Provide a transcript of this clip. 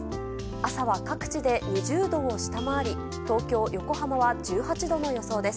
朝は各地で２０度を下回り東京、横浜は１８度の予想です。